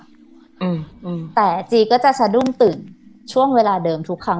อืมแต่ไอจีก็จะสะดุ้งตื่นช่วงเวลาเดิมทุกครั้ง